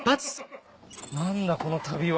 何だこの旅は。